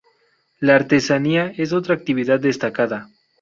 La artesanía es otra actividad destacada.